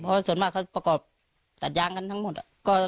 เพราะส่วนมากเขาประกอบตัดยางกันทั้งหมด